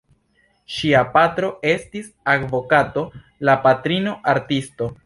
Ŝia patro estis advokato, la patrino artisto.